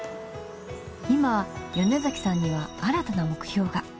今米崎さんには新たな目標が。